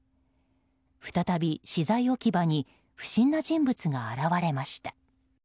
再び資材置き場に不審な人物が現れました。